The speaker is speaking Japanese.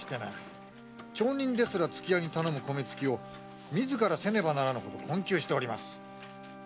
町人ですらつき屋に頼む米つきを自らせねばならぬほど困窮しております。